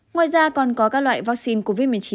ngoài ra còn có các loại vaccine covid một mươi chín